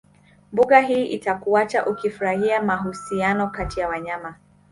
Mbuga hii itakuacha ukifurahia mahusiano kati ya wanyama